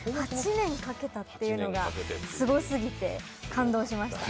８年かけたっていうのがすごすぎて感動しました。